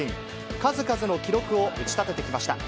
数々の記録を打ち立ててきました。